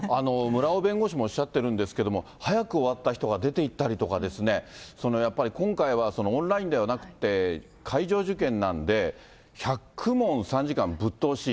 村尾弁護士もおっしゃってるんですけど、早く終わった人が出ていったりとかですね、やっぱり今回は、オンラインではなくて、会場受験なんで、１００問３時間ぶっ通し。